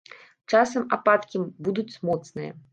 Часам ападкі будуць моцныя.